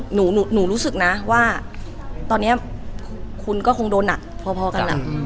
หนูรู้สึกนะว่าตอนนี้คุณก็คงโดนหนักพอกัน